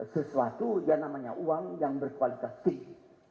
sesuatu yang namanya uang yang berkualitas tinggi